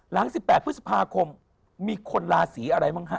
หลังสิบแปดพฤษภาคมมีคนลาสีอะไรมั้ง